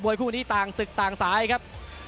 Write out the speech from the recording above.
คู่นี้ต่างศึกต่างสายครับ